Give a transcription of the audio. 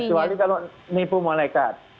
kecuali kalau mipu malaikat